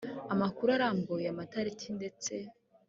amakuru arambuye amatariki ndetse